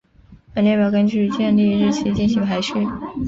本列表根据建立日期进行排序。